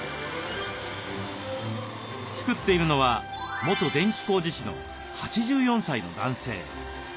作っているのは元電気工事士の８４歳の男性。